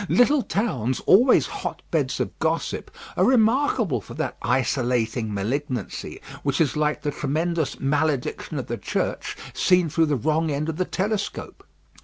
Little towns, always hotbeds of gossip, are remarkable for that isolating malignancy, which is like the tremendous malediction of the Church seen through the wrong end of the telescope.